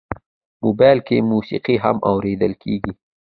موبایل کې موسیقي هم اورېدل کېږي.